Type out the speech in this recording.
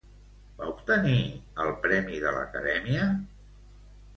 Va obtenir el premi de l'Acadèmia?